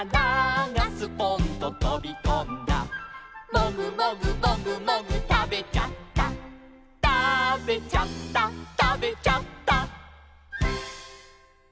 「モグモグモグモグたべちゃった」「たべちゃったたべちゃった」